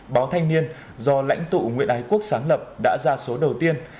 báo thanh niên do lãnh tụ nguyễn ái quốc sáng lập đã ra số đầu tiên